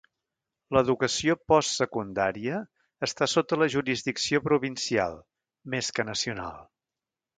L'educació post-secundària està sota la jurisdicció provincial, més que nacional.